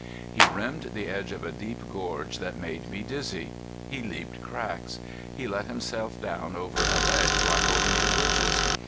He rimmed the edge of a deep gorge that made me dizzy. He leaped cracks. He let himself down over a ledge by holding to bushes.